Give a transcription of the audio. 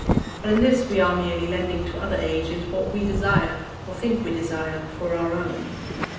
But in this we are merely lending to other ages what we desire, or think we desire, for our own.